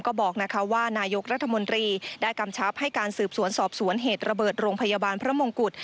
ก็บอกว่านายกรัฐมนตรีได้กำชับให้การสืบสวนสอบสวนเหตุระเบิดโรงพยาบาลพระมงกุฎ